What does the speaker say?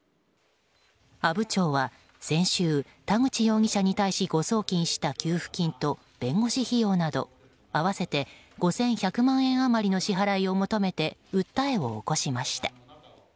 阿武町は先週、田口容疑者に対し誤送金した給付金と弁護士費用など合わせて５１００万円余りの支払いを求めて訴えを起こしました。